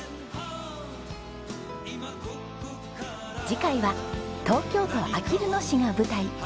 次回は東京都あきる野市が舞台。